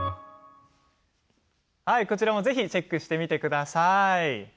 こちらもぜひチェックしてみてください。